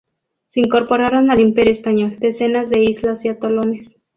Se incorporaron al Imperio Español decenas de islas y atolones.